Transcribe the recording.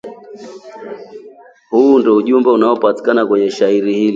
Huu ndio ujumbe unaopatikana kwenye shairi hili